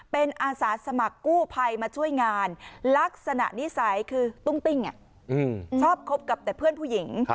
เป็นอาสาสมัครกู้ภัยมาช่วยงานลักษณะนิสัยคือตุ้งติ้งชอบคบกับแต่เพื่อนผู้หญิง